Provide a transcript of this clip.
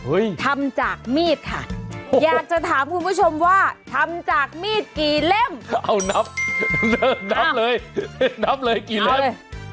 เอานับนับเลยนับเลยกี่เล่ม